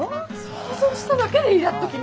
想像しただけでイラッときます！